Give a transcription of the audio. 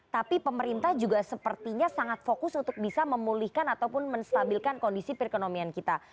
tapi pemerintah juga sepertinya sangat fokus untuk bisa memulihkan ataupun menstabilkan kondisi perekonomian kita